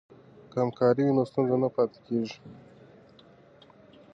که همکاري وي نو ستونزه نه پاتې کیږي.